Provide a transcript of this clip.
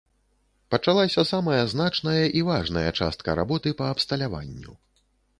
Пачалася самая значная і важная частка работы па абсталяванню.